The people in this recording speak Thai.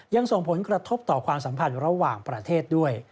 ยังส่งผลกระทบต่อความสัมพันธ์ระหว่างประเทศด้วย